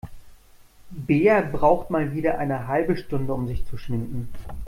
Bea braucht mal wieder eine halbe Stunde, um sich zu schminken.